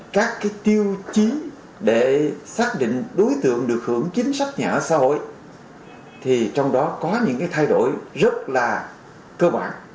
các cái tiêu chí để xác định đối tượng được hưởng chính sách nhà ở xã hội thì trong đó có những cái thay đổi rất là cơ bản